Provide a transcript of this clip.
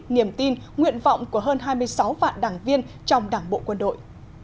niềm tin nguyện vọng của hơn hai mươi sáu vạn đảng viên trong đảng bộ quân đội